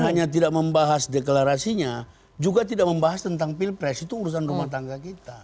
hanya tidak membahas deklarasinya juga tidak membahas tentang pilpres itu urusan rumah tangga kita